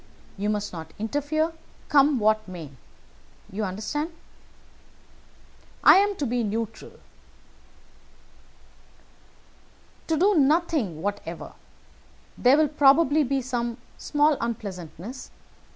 You must not interfere, come what may. You understand?" "I am to be neutral?" "To do nothing whatever. There will probably be some small unpleasantness.